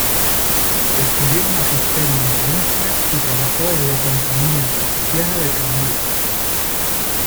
Estudió magisterio en Valencia y trabajó en la Compañía Valenciana de Tranvías.